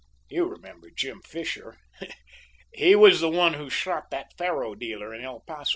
You remember Jim Fisher he was the one who shot that faro dealer in El Paso.